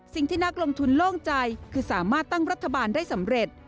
สิ่งที่นักลงทุนโล่งใจคือสามารถตั้งรัฐบาลได้สำเร็จ